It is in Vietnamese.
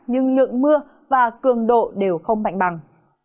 nhưng lượng mưa và cường độ đều không mạnh bằng